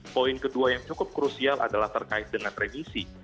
poin kedua yang cukup krusial adalah terkait dengan remisi